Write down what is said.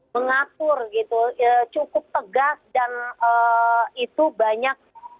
mengatur gitu cukup tegas dan itu banyak